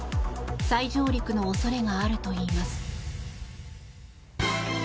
再上陸の恐れがあるといいます。